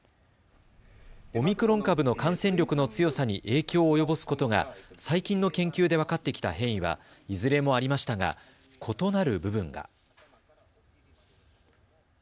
オミクロン株の感染力の強さに影響を及ぼすことが最近の研究で分かってきた変異はいずれもありましたが異なる部分が。